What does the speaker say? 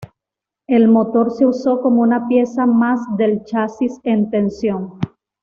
El motor se usó como una pieza más del chasis en tensión.